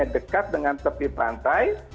dekat dengan tepi pantai